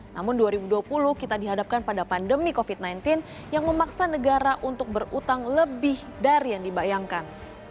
namun dua ribu dua puluh kita dihadapkan pada pandemi covid sembilan belas yang memaksa negara untuk berutang lebih dari yang dibayangkan